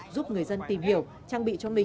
giúp người dân tìm hiểu trang bị cho mình